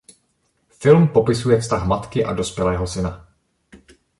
Film popisuje vztah matky a dospělého syna.